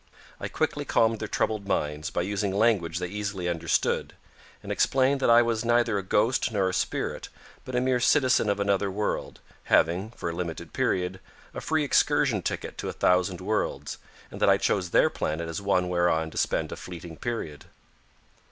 I quickly calmed their troubled minds by using language they easily understood, and explained that I was neither a ghost nor a spirit, but a mere citizen of another world, having, for a limited period, a free excursion ticket to a thousand worlds, and that I chose their planet as one whereon to spend a fleeting period.